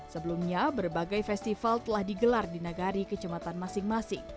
sebelumnya berbagai festival telah digelar di nagari kecematan masing masing